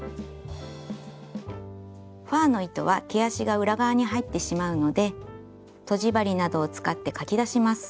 ファーの糸は毛足が裏側に入ってしまうのでとじ針などを使ってかき出します。